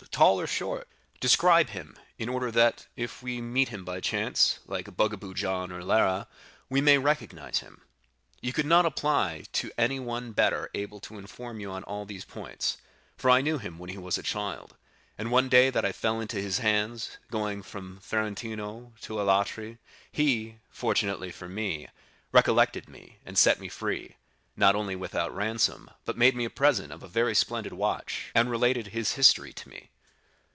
—tall or short? Describe him, in order that, if we meet him by chance, like Jean Sbogar or Lara, we may recognize him." "You could not apply to anyone better able to inform you on all these points, for I knew him when he was a child, and one day that I fell into his hands, going from Ferentino to Alatri, he, fortunately for me, recollected me, and set me free, not only without ransom, but made me a present of a very splendid watch, and related his history to me."